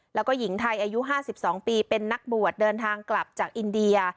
แล้วก็หญิงไทยอายุ๕๒ปีเป็นนักบวชเดินทางกลับจากอินเดีย